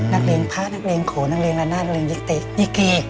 นักเรงพระนักเรงโขนักเรงระน่านักเรงยิกเต๊กนิเก